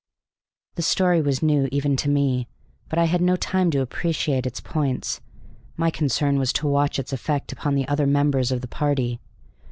'" The story was new even to me, but I had no time to appreciate its points. My concern was to watch its effect upon the other members of the party.